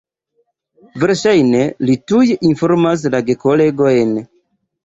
Verŝajne li tuj informas la gekolegojn.